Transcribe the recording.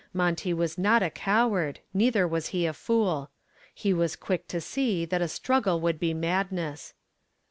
Monty was not a coward, neither was he a fool. He was quick to see that a struggle would be madness.